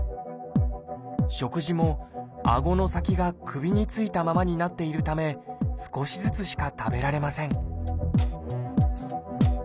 食事もあごの先が首についたままになっているため少しずつしか食べられません